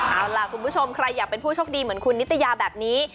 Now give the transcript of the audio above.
เอาล่ะคุณผู้ชมใครอยากเป็นผู้โชคดีเหมือนคุณนิตยาแบบนี้